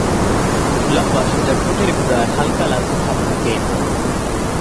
লম্বা সোজা ঠোঁটের গোড়ায় হালকা লালচে ভাব থাকে।